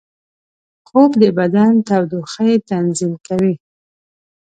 خوب د بدن تودوخې تنظیم کوي